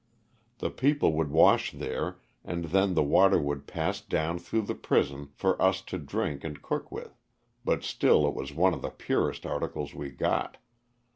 The people would wash there and then the water would pass down through the prison for us to drink and cook with, but still it was one of the purest articles we got.